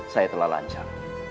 saya telah lancar